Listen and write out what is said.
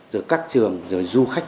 rồi các trường rồi du khách